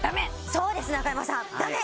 そうです中山さんダメ！